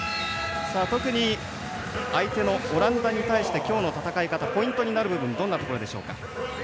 特に相手のオランダに対してきょうの戦い方ポイントになる部分どんなところでしょうか。